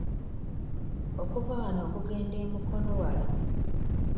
Okuva wano okugenda e Mukono wala?